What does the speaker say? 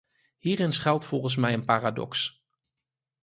Hierin schuilt volgens mij een paradox.